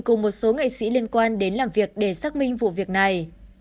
cùng một số nghệ sĩ liên quan đến làm việc để xác minh vụ việc này